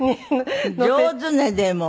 上手ねでも。